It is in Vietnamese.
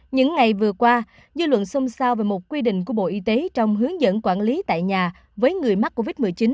những ngày vừa qua dư luận xông xao về một quy định của bộ y tế trong hướng dẫn quản lý tại nhà với người mắc covid một mươi chín